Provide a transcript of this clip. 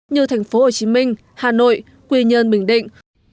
như thành phố hồ chí minh hà nội quy nhơn bình định